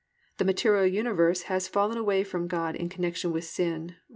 The material universe has fallen away from God in connection with sin (Rom.